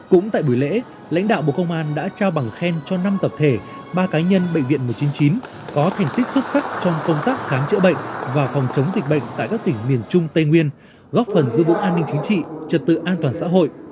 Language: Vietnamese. cũng tại buổi lễ lãnh đạo bộ công an đã trao bằng khen cho năm tập thể ba cá nhân bệnh viện một trăm chín mươi chín có thành tích xuất sắc trong công tác khám chữa bệnh và phòng chống dịch bệnh tại các tỉnh miền trung tây nguyên góp phần giữ vững an ninh chính trị trật tự an toàn xã hội